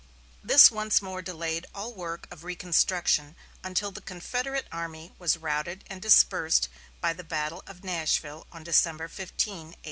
This once more delayed all work of reconstruction until the Confederate army was routed and dispersed by the battle of Nashville on December 15, 1864.